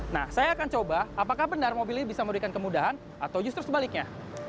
nah saya akan coba apakah benar mobil ini bisa memberikan kemudahan atau justru sebaliknya